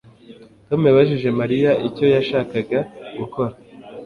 Tom yabajije Mariya icyo yashakaga gukora